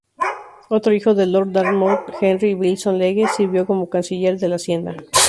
Otro hijo de Lord Dartmouth, Henry Bilson-Legge, sirvió como Canciller de la Hacienda.